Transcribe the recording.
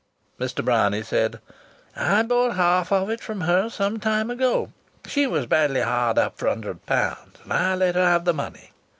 Mr. Bryany said: "I bought half of it from her some time ago. She was badly hard up for a hundred pounds and I let her have the money."